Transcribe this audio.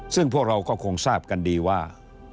ซึ่งพวกเราก็คงทราบกันดีว่า